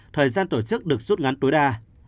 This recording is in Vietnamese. thời gian tổ chức được rút ngắn tối đa